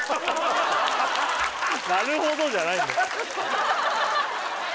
「なるほど」じゃないんだよ